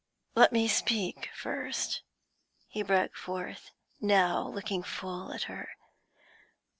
'Let me speak first,' he broke forth, now looking full at her.